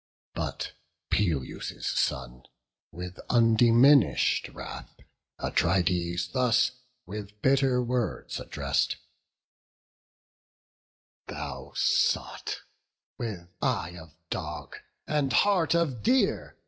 But Peleus' son, with undiminish'd wrath, Atrides thus with bitter words address'd: "Thou sot, with eye of dog, and heart of deer!